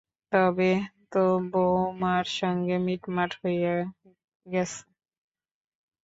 তবে তো বউমার সঙ্গে মিটমাট হইয়া গেছে।